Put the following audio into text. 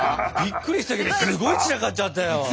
びっくりしたけどすごい散らかっちゃったよ。